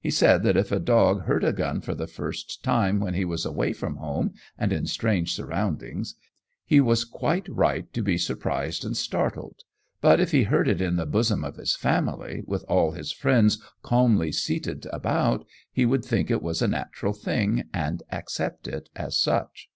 He said that if a dog heard a gun for the first time when he was away from home and in strange surroundings he was quite right to be surprised and startled, but if he heard it in the bosom of his family, with all his friends calmly seated about, he would think it was a natural thing, and accept it as such.